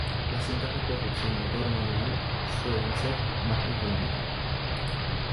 Las cintas de correr sin motor o manuales suelen ser más económicas.